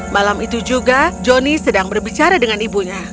malam itu juga joni sedang berbicara dengan ibunya